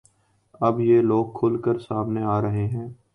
اب یہ لوگ کھل کر سامنے آ رہے ہیں